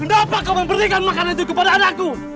kenapa kau memberikan makanan itu kepada anakku